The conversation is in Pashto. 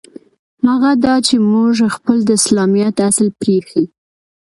هغه دا چې موږ خپل د اسلامیت اصل پرېیښی.